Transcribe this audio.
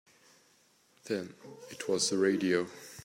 Then it was the radio.